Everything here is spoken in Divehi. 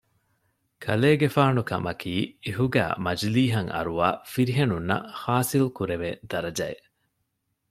ކަލޭގެފާނު ކަމަކީ އިހުގައި މަޖިލީހަށް އަރުވާ ފިރިހެނުންނަށް ޙާޞިލްކުރެވޭ ދަރަޖައެއް